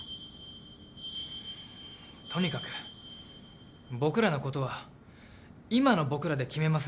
とにかく僕らのことは今の僕らで決めますんで。